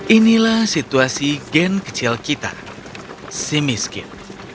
inilah situasi gen kecil kita si miskin